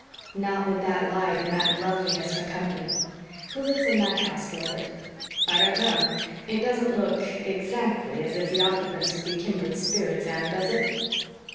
"Not with that light and that loveliness for company. Who lives in that house, Gilbert?" "I don't know. It doesn't look exactly as if the occupants would be kindred spirits, Anne, does it?"